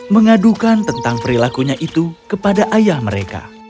mengadukan tentang perilakunya itu kepada ayah mereka